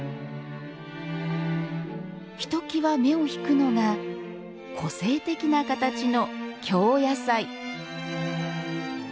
ひときわ目を引くのが個性的な形の京野菜。